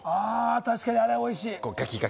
確かにあれ、おいしい。